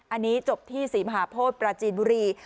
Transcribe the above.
อันนี้จบที่ศรีมหาโพธิปราจีนบุรี